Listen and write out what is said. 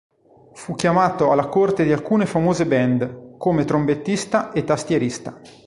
Fu chiamato alla corte di alcune famose band, come trombettista e tastierista.